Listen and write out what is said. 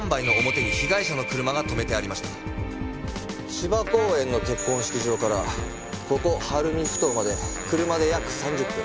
芝公園の結婚式場からここ晴海ふ頭まで車で約３０分。